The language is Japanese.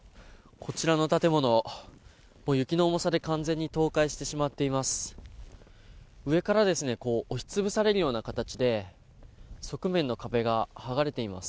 こちらの建物、もう雪の重さで完全に倒壊してしまっています。